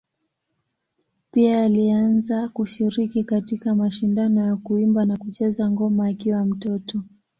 Pia alianza kushiriki katika mashindano ya kuimba na kucheza ngoma akiwa mtoto.